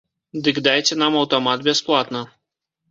Дык дайце нам аўтамат бясплатна.